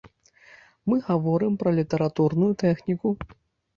Мы гаворым пра літаратурную тэхніку.